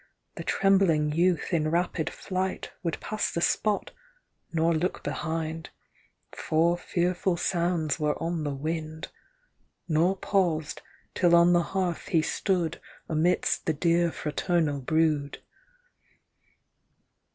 The trembling youth in rapid flight Would pass the spot, nor look behind, For fearful sounds were on the wind, Nor paused till on the hearth he stood Amidst the dear fraternal brood.